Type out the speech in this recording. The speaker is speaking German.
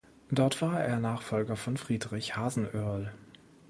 Dort war er Nachfolger von Friedrich Hasenöhrl.